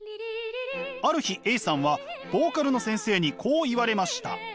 ある日Ａさんはボーカルの先生にこう言われました。